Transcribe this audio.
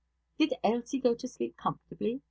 'Did Ailsie go to sleep comfortably?'